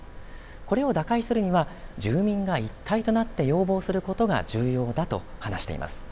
これを打開するには住民が一体となって要望することが重要だと話しています。